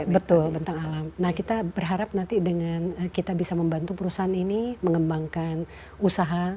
betul bentang alam nah kita berharap nanti dengan kita bisa membantu perusahaan ini mengembangkan usaha